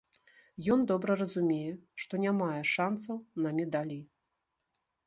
Ён добра разумее, што не мае шанцаў на медалі.